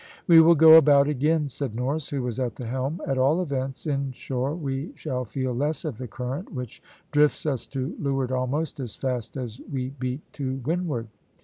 "We will go about again," said Norris, who was at the helm. "At all events inshore we shall feel less of the current which drifts us to leeward almost as fast as we beat to windward."